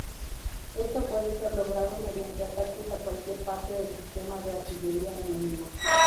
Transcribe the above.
Esto puede ser logrado mediante ataques a cualquier parte del sistema de artillería enemigo.